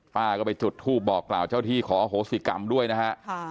ป้าก็ไปจุดทูปบอกกล่าวเจ้าที่ขออโหสิกรรมด้วยนะฮะ